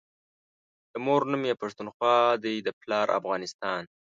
دمور نوم يی پښتونخوا دی دپلار افغانستان